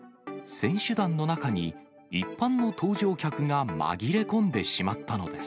選手団の中に、一般の搭乗客が紛れ込んでしまったのです。